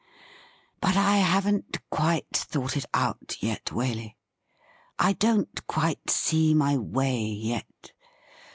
'But I haven't quite thought it out yet, Waley. I don't quite see my way yet.